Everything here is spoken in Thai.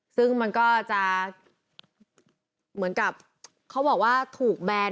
ซึ่งมันก็จะเหมือนกับเขาบอกว่าถูกแบน